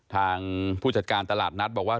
ทางผู้จัดการตลาดนัดบอกว่า